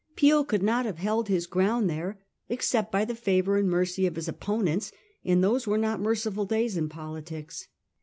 Peel could, not have held his ground there, except by the favour and mercy of his opponents ; and those were not merciful days in poli tics.